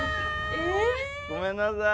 ごめんなさい。